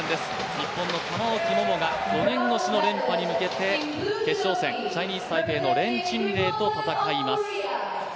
日本の玉置桃が５年越しの連覇に向けて決勝戦、チャイニーズ・タイペイの連珍羚と戦います。